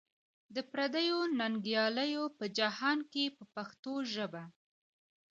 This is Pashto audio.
د پردیو ننګیالیو په جهان کې په پښتو ژبه.